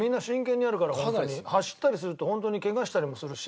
走ったりするとホントにケガしたりもするし。